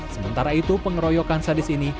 sementara itu pengeroyokan sadis ini